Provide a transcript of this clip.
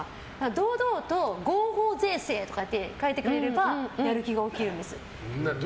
堂々と合法税制とかって書いてくれればやる気が起きるんです。